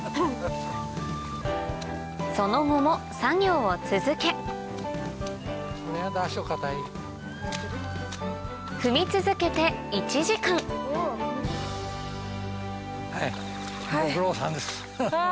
その後も作業を続け踏み続けて１時間あ！